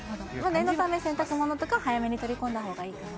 念のため洗濯物とかは早めに取り込んだほうがいいかな。